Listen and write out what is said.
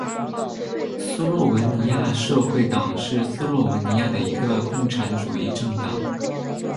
斯洛文尼亚社会党是斯洛文尼亚的一个共产主义政党。